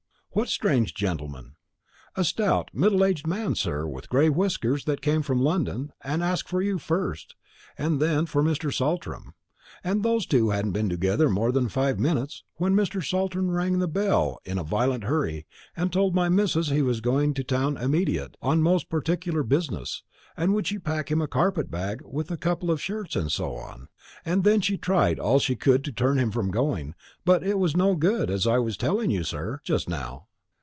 "What strange gentleman?" "A stout middle aged man, sir, with gray whiskers, that came from London, and asked for you first, and then for Mr. Saltram; and those two hadn't been together more than five minutes, when Mr. Saltram rang the bell in a violent hurry, and told my missus he was going to town immediate, on most particular business, and would she pack him a carpet bag with a couple of shirts, and so on. And then she tried all she could to turn him from going; but it was no good, as I was telling you, sir, just now.